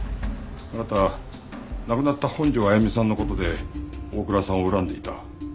あなたは亡くなった本条あゆみさんの事で大倉さんを恨んでいた。